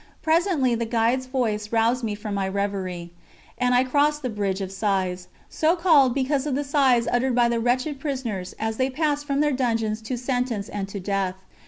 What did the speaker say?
Presently the guide's voice roused me from my reverie, and I crossed the "Bridge of Sighs," so called because of the sighs uttered by the wretched prisoners as they passed from their dungeons to sentence and to death.